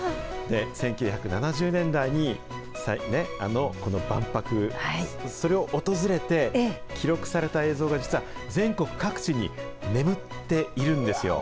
１９７０年代にこの万博、それを訪れて、記録された映像が実は、全国各地に眠っているんですよ。